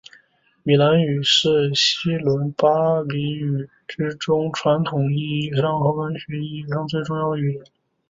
米兰语是西伦巴第语之中传统意义上和文学意义上最重要的语言。